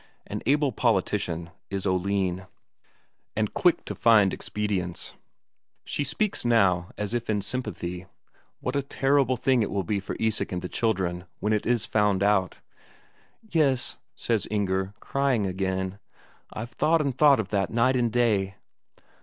An able politician, is Oline, and quick to find expedients; she speaks now as if in sympathy what a terrible thing it will be for Isak and the children when it is found out! "Yes," says Inger, crying again. "I've thought and thought of that night and day."